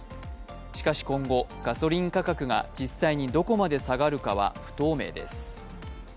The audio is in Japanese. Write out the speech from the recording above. しかし今後、ガソリン価格が実際にどこまで下がるかは不透明です。